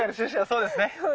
そうですね。